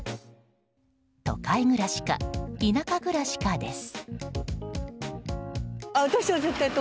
都会暮らしか、田舎暮らしかです。